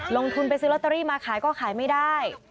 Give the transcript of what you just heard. ลงทุนไปซื้อลอตเตอรี่มาขายก็ขายไม่ได้